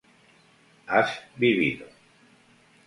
has vivido